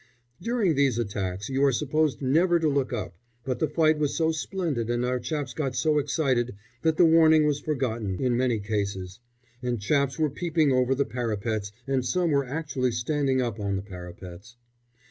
During these attacks you are supposed never to look up, but the fight was so splendid and our chaps got so excited that the warning was forgotten in many cases, and chaps were peeping over the parapets and some were actually standing up on the parapets.